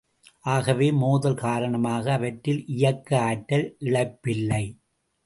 ஆகவே, மோதல் காரணமாக அவற்றில் இயக்க ஆற்றல் இழப்பில்லை.